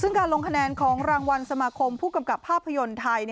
ซึ่งการลงคะแนนของรางวัลสมาคมผู้กำกับภาพยนตร์ไทย